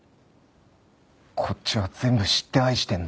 こっちは全部知って愛してんだよ。